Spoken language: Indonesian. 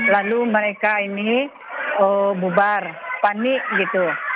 lalu mereka ini bubar panik gitu